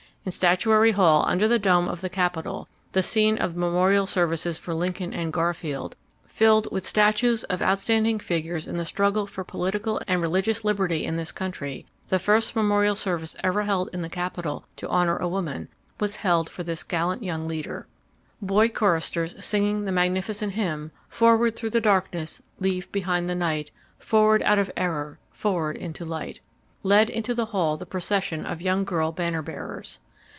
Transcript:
In Statuary Hall under the dome of the Capitol—the scene of memorial services for Lincoln and Garfield—filled with statues of outstanding figures in the struggle for political and religious liberty in this country, the first memorial service ever held in the Capitol to honor a woman, was held for this gallant young leader. Boy choristers singing the magnificent hymn "Forward through the darkness Leave behind the night, Forward out of error, Forward into light" led into the hall the procession of young girl banner bearers.